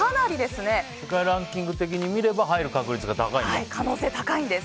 世界ランキング的に見れば入る可能性高いんだ。